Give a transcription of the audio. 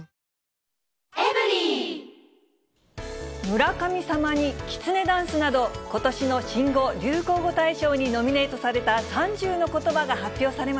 村神様に、きつねダンスなど、ことしの新語・流行語大賞にノミネートされた３０のことばが発表